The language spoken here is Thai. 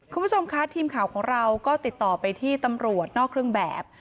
คุณผู้ชมคะทีมข่าวของเราก็ติดต่อไปที่ตำรวจนอกเครื่องแบบ